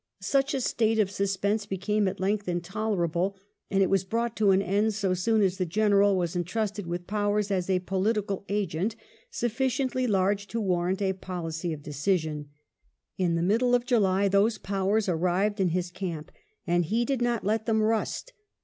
Such a state of suspense became at length intolerable, and it was brought to an end so soon as the General was entrusted with powers as a political agent sufficiently large to warrant a policy of decision. In the middle of July those powers arrived in his camp, and he did not let them rust.